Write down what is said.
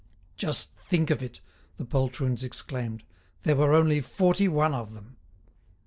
"Just think of it!" the poltroons exclaimed, "there were only forty one of them!"